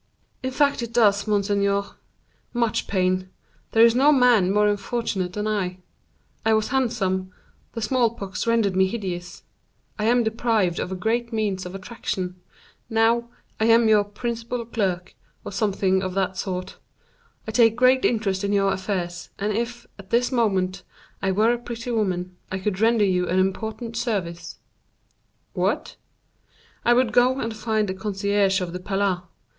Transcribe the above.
"In fact it does, monseigneur, much pain; there is no man more unfortunate than I: I was handsome, the small pox rendered me hideous; I am deprived of a great means of attraction; now, I am your principal clerk, or something of that sort; I take great interest in your affairs, and if, at this moment, I were a pretty woman, I could render you an important service." "What?" "I would go and find the concierge of the Palais.